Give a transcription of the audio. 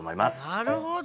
なるほど。